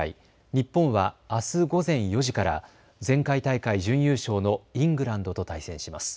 日本はあす午前４時から前回大会準優勝のイングランドと対戦します。